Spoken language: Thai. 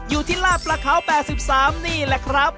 อยู่ที่ลาดประเขา๘๓นี่แหละครับ